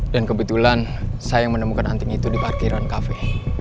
dan kebetulan saya yang menemukan anting itu di parkiran kafe